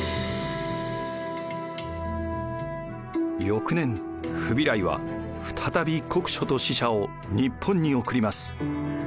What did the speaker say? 翌年フビライは再び国書と使者を日本に送ります。